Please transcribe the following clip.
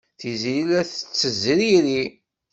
Tiziri la tettezriri.